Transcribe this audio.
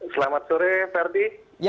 selamat sore ferdi